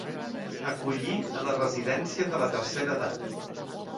Acollir a la residència de la tercera edat.